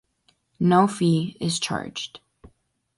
No fee is charged.